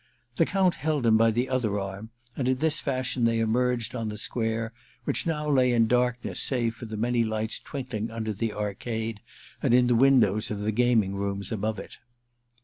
The Count held him by the other arm, and in this fashion they emerged on the square, which now lay in darkness save for the many lights twinkling under the arcade and in the windows of the gaming rooms above it.